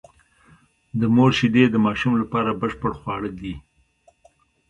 د مور شېدې د ماشوم لپاره بشپړ خواړه دي.